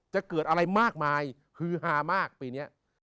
จะเกิดอะไรมากมายฮือฮามากปีนี้